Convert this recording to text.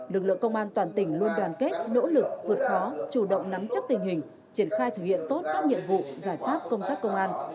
lực lượng công an toàn tỉnh luôn đoàn kết nỗ lực vượt khó chủ động nắm chắc tình hình triển khai thực hiện tốt các nhiệm vụ giải pháp công tác công an